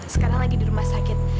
sekarang lagi di rumah sakit